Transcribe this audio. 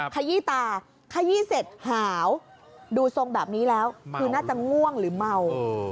ขยี้ตาขยี้เสร็จหาวดูทรงแบบนี้แล้วคือน่าจะง่วงหรือเมา